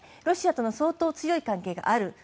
ロシアとの相当強い関係がある。